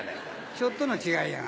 ちょっとの違いやん。